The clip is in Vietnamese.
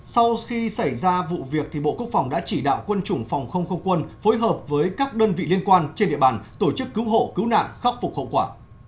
sau khi xảy ra vụ việc bộ quốc phòng đã chỉ đạo quân chủng phòng không không quân phối hợp với các đơn vị liên quan trên địa bàn tổ chức cứu hộ cứu nạn khắc phục hậu quả